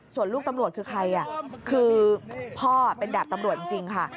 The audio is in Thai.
ส่วนลูกตำรวจคือใครคือพ่อเป็นดาบตำรวจจริงค่ะ